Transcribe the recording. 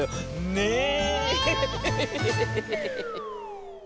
ねえ。